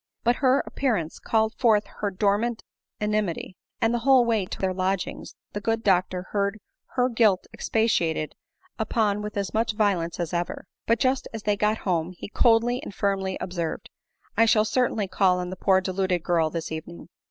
But her appearance called forth their dormant enmity ; and the whole way to their lodgings the good doctor heard her guilt expatiated upon with as much violence as ever ; but just as they got home he coldly and firmly observed, " I shall certainly call on the poor deluded girl this evening."